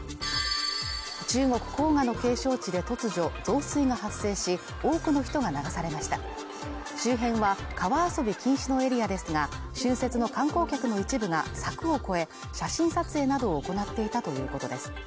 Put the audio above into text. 中国黄河の景勝地で突如増水が発生し多くの人が流されました周辺は川遊び禁止のエリアですが春節の観光客の一部が柵を越え写真撮影などを行っていたということです